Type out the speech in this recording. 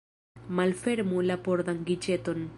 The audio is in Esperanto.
Malfermu la pordan giĉeton.